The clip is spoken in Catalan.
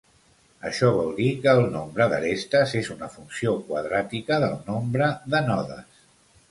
Això vol dir que el nombre d'arestes és una funció quadràtica del nombre de nodes.